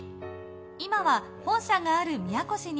今は本社がある宮古市に。